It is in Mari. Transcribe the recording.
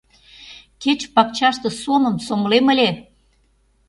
Кеч пакчаште сомым сомылем ыле...